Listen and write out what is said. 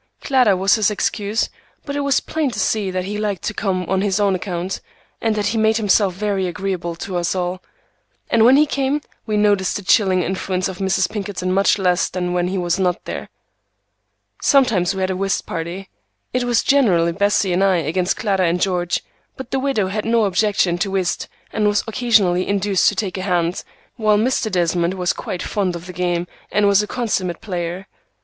Clara was his excuse, but it was plain to see that he liked to come on his own account, and he made himself very agreeable to us all; and when he came, we noticed the chilling influence of Mrs. Pinkerton much less than when he was not there. Sometimes we had a whist party. It was generally Bessie and I against Clara and George, but the widow had no objection to whist and was occasionally induced to take a hand, while Mr. Desmond was quite fond of the game and was a consummate player.